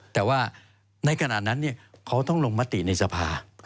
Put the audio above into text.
แต่ว่าในขณะนั้นเขาต้องลงมติในสภา